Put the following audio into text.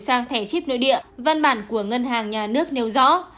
sang thẻ chip nội địa văn bản của ngân hàng nhà nước nêu rõ